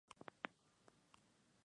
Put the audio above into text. Los ingleses salieron victoriosos.